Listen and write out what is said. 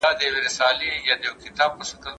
ګاونډی هیواد بهرنی پور نه اخلي.